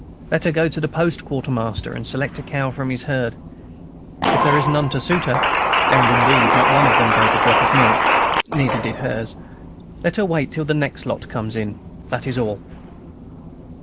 Let her go to the Post Quartermaster and select a cow from his herd. If there is none to suit her (and, indeed, not one of them gave a drop of milk, neither did hers), let her wait till the next lot comes in, that is all.